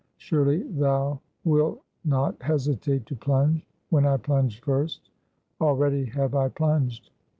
Surely thou will not hesitate to plunge, when I plunge first; already have I plunged!